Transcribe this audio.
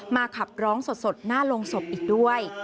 ขับร้องสดหน้าโรงศพอีกด้วย